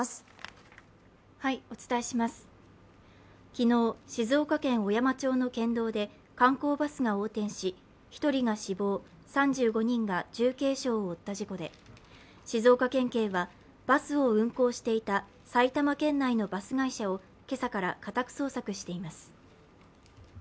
昨日、静岡県小山町の県道で観光バスが横転し１人が死亡３５人が重軽傷を負った事故で静岡県警は、バスを運行していた埼玉県内のバス会社を今朝から家宅捜索しています。